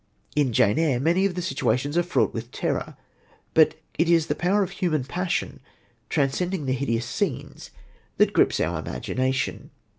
In Jane Eyre many of the situations are fraught with terror, but it is the power of human passion, transcending the hideous scenes, that grips our imagination.